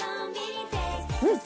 うん？